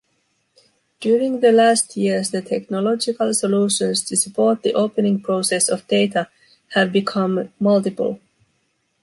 During the last years the technological solutions to support the opening process of data have become multiple.